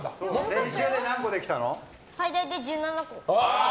最大で１７個。